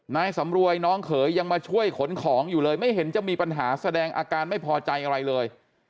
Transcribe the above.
นายสำรวยน้องเขยยังมาช่วยขนของอยู่เลยไม่เห็นจะมีปัญหาแสดงอาการไม่พอใจอะไรเลย